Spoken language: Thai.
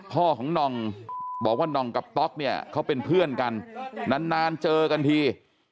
พ่อของน่องบอกว่าน่องกับต๊อกเนี่ยเขาเป็นเพื่อนกันนานเจอกันที